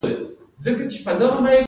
د هایپرټروفي د ارګان لویېدل دي.